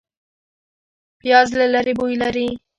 پیاز له لرې بوی لري